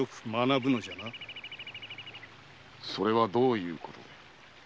それはどういうことで？